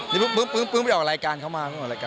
นี่ปึ้งไปออกรายการเขามา